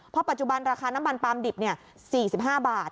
เพราะปัจจุบันราคาน้ำมันปลามดิบ๔๕บาท